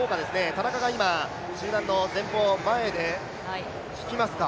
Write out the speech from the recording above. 田中が今、集団の前で引きますか。